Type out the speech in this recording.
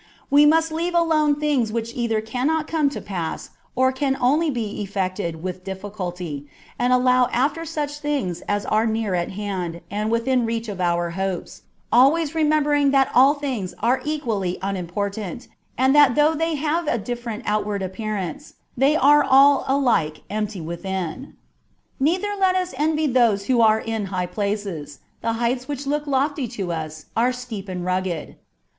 We must leave alone things which either cannot come to pass or can only be effected with difficulty, and follow after such things as are near at hand and within reach of our hopes, always remembering that all things are equally unimportant, and that though they have a different outward appearance, they are all alike empty within. Neither let us envy those who are in high places : the heights which look lofty to us are steep and rugged.